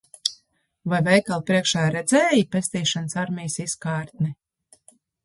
Vai veikala priekšā redzēji Pestīšanas armijas izkārtni?